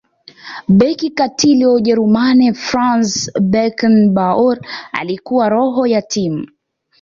beki katili wa ujerumani franz beckenbauer alikuwa roho ya timu